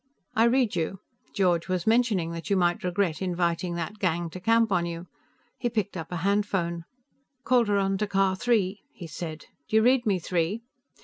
"I read you. George was mentioning that you might regret inviting that gang to camp on you." He picked up a handphone. "Calderon to Car Three," he said. "Do you read me, Three?